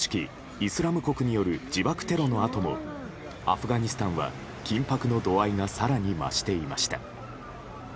イスラム国による自爆テロのあともアフガニスタンは緊迫の度合いが更に増していました。